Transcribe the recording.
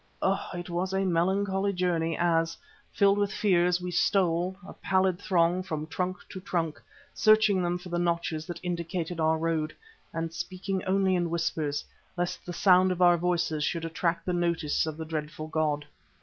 Oh! it was a melancholy journey as, filled with fears, we stole, a pallid throng, from trunk to trunk, searching them for the notches that indicated our road, and speaking only in whispers, lest the sound of our voices should attract the notice of the dreadful god.